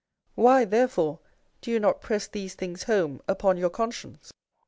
Why, therefore, do you not press these things home upon your conscience?